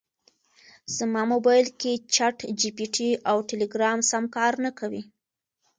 زما مبایل کې چټ جي پي ټي او ټیلیګرام سم کار نکوي